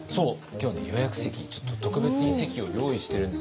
予約席ちょっと特別に席を用意してるんです。